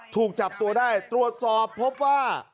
ถูกจับตัวได้ตรวจสอบพบว่า